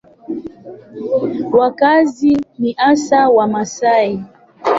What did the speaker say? Wakazi ni hasa Wamasai.